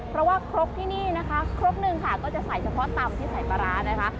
เพราะว่าครกที่นี่นะคะครกหนึ่งค่ะก็จะใส่เฉพาะตำที่ใส่ปลาร้านะคะ